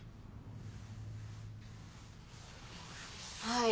はい。